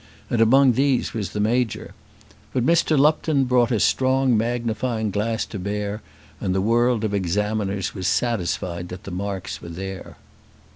And among these was the Major. But Mr. Lupton brought a strong magnifying glass to bear, and the world of examiners was satisfied that the marks were there.